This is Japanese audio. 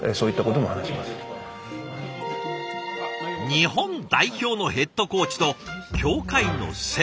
日本代表のヘッドコーチと協会の専務理事！？